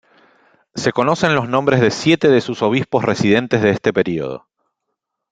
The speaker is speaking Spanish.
Se conocen los nombres de siete de su obispos residentes de este período.